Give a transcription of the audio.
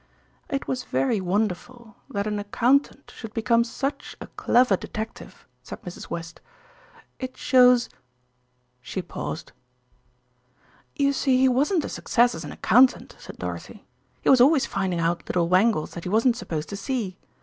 "It was very wonderful that an accountant should become such a clever detective," said Mrs. West. "It shows " she paused. "You see, he wasn't a success as an accountant," said Dorothy. "He was always finding out little wangles that he wasn't supposed to see.